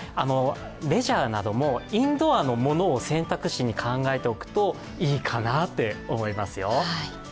レジャーなども、インドアのものを選択肢に考えておくといいかなって思いますよ。